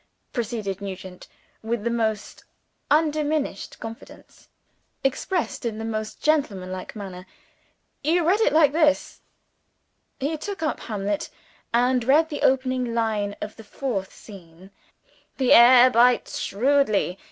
proceeded Nugent, with the most undiminished confidence, expressed in the most gentlemanlike manner. "You read it like this." He took up Hamlet and read the opening line of the Fourth Scene, ("The air bites shrewdly.